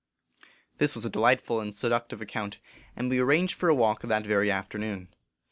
This was a delightful and seductive account, and we arranged for a walk that very afternoon.